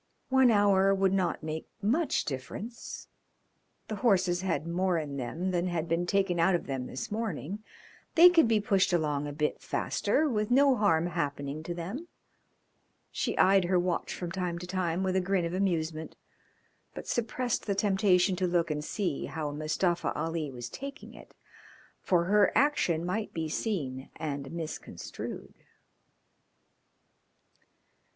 One hour would not make much difference. The horses had more in them than had been taken out of them this morning; they could be pushed along a bit faster with no harm happening to them. She eyed her watch from time to time with a grin of amusement, but suppressed the temptation to look and see how Mustafa Ali was taking it, for her action might be seen and misconstrued.